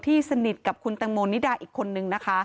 สนิทกับคุณตังโมนิดาอีกคนนึงนะคะ